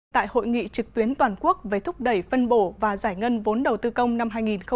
tại hội nghị trực tuyến toàn quốc về thúc đẩy phân bổ và giải ngân vốn đầu tư công năm hai nghìn hai mươi